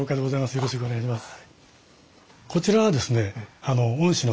よろしくお願いします。